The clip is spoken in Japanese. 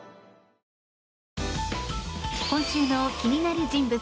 今週の気になる人物